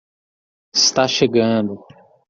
Está chegando.